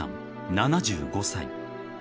７５歳］